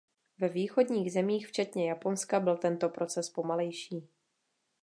Ve východních zemích včetně Japonska byl tento proces pomalejší.